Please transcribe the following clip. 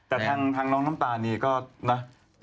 แต่ทางน้องน้ำตาลนี่ก็นะ